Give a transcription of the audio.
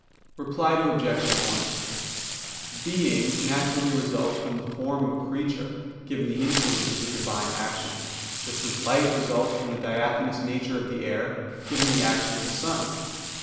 Reply Obj. 1: Being naturally results from the form of a creature, given the influence of the Divine action; just as light results from the diaphanous nature of the air, given the action of the sun.